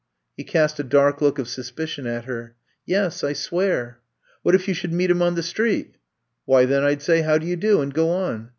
He cast a dark look of suspicion at her. *'Yes, I swear." ^*What if you should meet him on the street f ''^* Why, then, I 'd say how do you do, and go on.